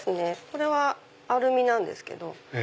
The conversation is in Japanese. これはアルミなんですけど。